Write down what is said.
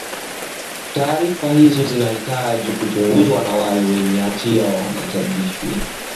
taarifa hizo zinahitaji kuchunguzwa na wale wenye hatia wawajibishwe